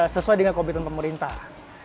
sesuai dengan kompeten pemerintah